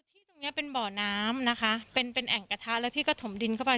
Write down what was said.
ที่ตรงนี้เป็นเบาะน้ำนะคะเป็นแอ่งกระทะแล้วพี่ก็ถมดินเข้าไป